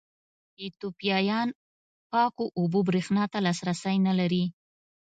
ایتوپیایان پاکو اوبو برېښنا ته لاسرسی نه لري.